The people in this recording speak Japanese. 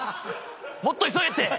もっと急げって！